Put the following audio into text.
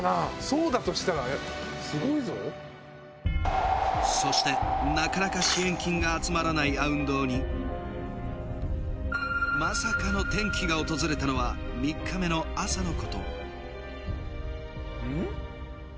そうだとしたらすごいぞそしてなかなか支援金が集まらないあうん堂にまさかの転機が訪れたのは３日目の朝のことうん？